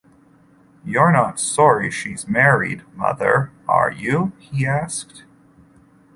“You’re not sorry she’s married, mother, are you?” he asked.